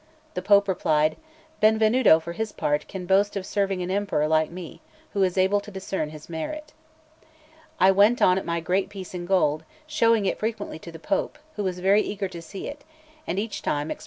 The Pope replied: "Benvenuto, for his part, can boast of serving an emperor like me, who is able to discern his merit." I went on at my great piece in gold, showing it frequently to the Pope, who was very eager to see it, and each time expressed greater admiration.